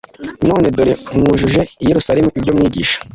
None dore mwujuje i Yerusalemu ibyo mwigisha;